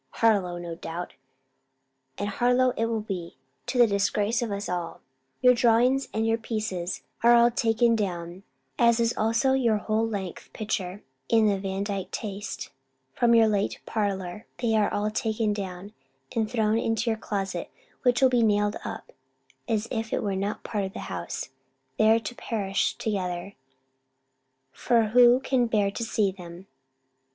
Harlowe, no doubt! And Harlowe it will be, to the disgrace of us all! Your drawings and your pieces are all taken down; as is also your whole length picture, in the Vandyke taste, from your late parlour: they are taken down, and thrown into your closet, which will be nailed up, as if it were not a part of the house, there to perish together: For who can bear to see them?